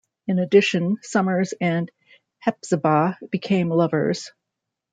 In addition, Summers and Hepzibah became lovers.